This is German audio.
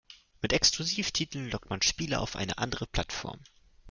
Mit Exklusivtiteln lockt man Spieler auf eine andere Plattform.